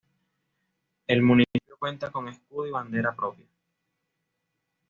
El municipio cuenta con escudo y bandera propia.